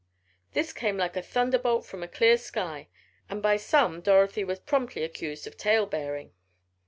This came like a thunderbolt from a clear sky and by some Dorothy was promptly accused of tale bearing.